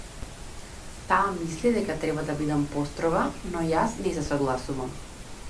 Таа мисли дека треба да бидам построга, но јас не се согласувам.